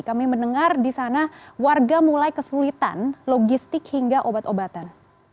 kami mendengar di sana warga mulai kesulitan logistik hingga obat obatan